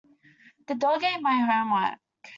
The dog ate my homework.